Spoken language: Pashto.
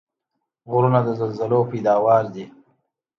غرونه د زلزلو پیداوار دي.